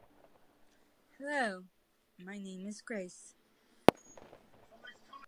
Some random stones run the full width of the wall here.